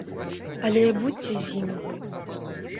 Але будзьце з імі вы.